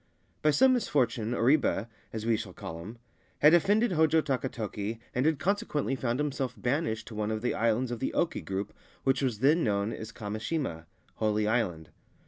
By some misfortune Oribe (as we shall call him) had offended Hojo Takatoki, and had consequently found himself banished to one of the islands of the Oki group which was then known as Kami shima (Holy Island).